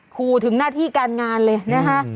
ครูถึงหน้าที่การงานเลยนะคะ